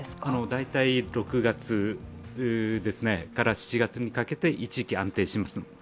大体６月から７月にかけて一時期安定します。